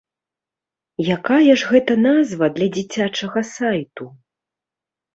Якая ж гэта назва для дзіцячага сайту?